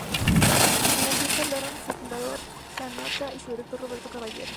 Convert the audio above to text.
En la fiesta hablaron su fundador, Lanata, y su director, Roberto Caballero.